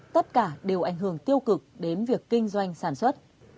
tất cả đều ảnh hưởng tiêu cực đến việc kinh doanh sản xuất